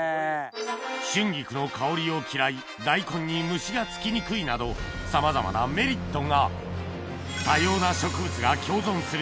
春菊の香りを嫌い大根に虫が付きにくいなどさまざまなメリットがする